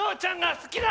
好きだ！